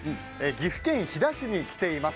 岐阜県飛騨市に来ています。